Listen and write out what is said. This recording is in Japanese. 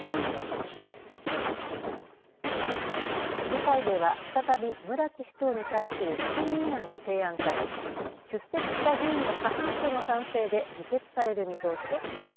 議会では再び村木市長に対する不信任案が提案され出席した議員の過半数の賛成で議決される見通しです。